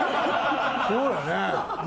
そうよね。